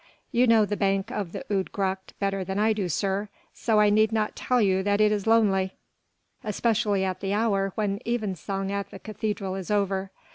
You know the bank of the Oude Gracht better than I do, sir, so I need not tell you that it is lonely, especially at the hour when evensong at the cathedral is over.